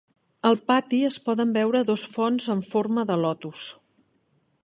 Al pati es poden veure dos fonts amb forma de lotus.